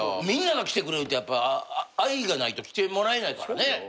みんなが来てくれるってやっぱ愛がないと来てもらえないからね。